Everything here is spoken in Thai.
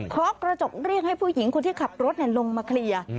ขอกระจกเรียกให้ผู้หญิงคนที่ขับรถลงมาเคลียร์